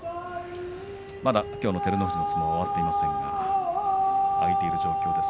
まだきょうの照ノ富士の相撲は終わっていませんが開いている状況です。